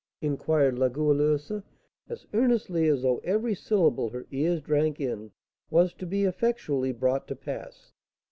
inquired La Goualeuse, as earnestly as though every syllable her ears drank in was to be effectually brought to pass.